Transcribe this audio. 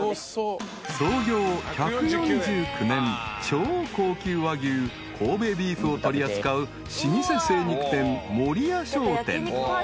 ［超高級和牛神戸ビーフを取り扱う老舗精肉店森谷商店］